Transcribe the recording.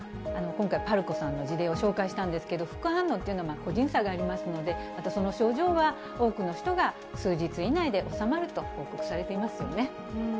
今回、ぱるこさんの事例を紹介したんですけど、副反応というのは個人差がありますので、またその症状は、多くの人が数日以内で収まると報告されていますよね。